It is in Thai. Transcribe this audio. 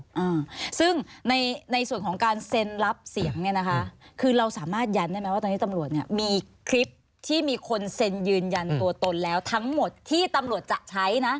อ่าซึ่งในในส่วนของการเซ็นรับเสียงเนี้ยนะคะคือเราสามารถยันได้ไหมว่าตอนนี้ตำรวจเนี้ยมีคลิปที่มีคนเซ็นยืนยันตัวตนแล้วทั้งหมดที่ตำรวจจะใช้นะ